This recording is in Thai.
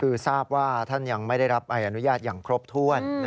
คือทราบว่าท่านยังไม่ได้รับใบอนุญาตอย่างครบถ้วน